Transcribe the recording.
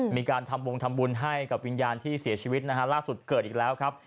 มีการทำวงทำบุญให้กับวิญญาณที่เสียชีวิตนะฮะล่าสุดเกิดอีกแล้วครับ